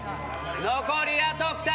残りあと２人。